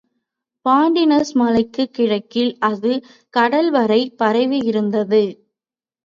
பான்டினஸ் மலைக்குக் கிழக்கில் அது கடல்வரை பரவியிருந்தது.